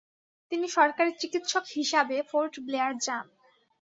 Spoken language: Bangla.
তিনি সরকারী চিকিৎসক হিসাবে ফোর্টব্লেয়ার যান।